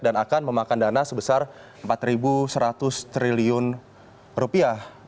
dan akan memakan dana sebesar empat seratus triliun rupiah